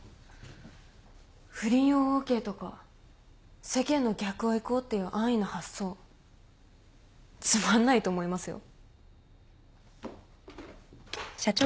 不倫をＯＫとか世間の逆を行こうっていう安易な発想つまんないと思いますよ。